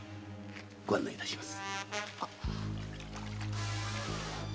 ご案内します。